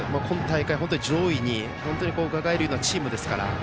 今大会、本当に上位に入るようなチームですから。